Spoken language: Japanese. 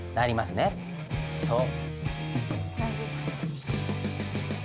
そう。